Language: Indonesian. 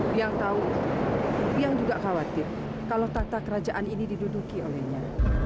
yang tahu biang juga khawatir kalau tata kerajaan ini diduduki olehnya